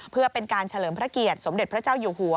เพื่อเป็นการเฉลิมพระเกียรติสมเด็จพระเจ้าอยู่หัว